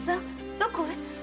どこへ？